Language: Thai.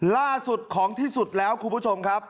ล่าสุดของที่สุดแล้วคุณผู้ชมครับ